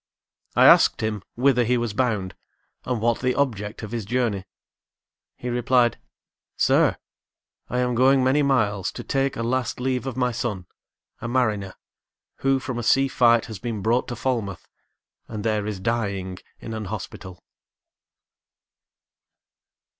—I asked him whither he was bound, and what The object of his journey; he replied "Sir! I am going many miles to take A last leave of my son, a mariner, Who from a sea fight has been brought to Falmouth, And there is dying in an hospital."